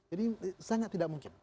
jadi sangat tidak mungkin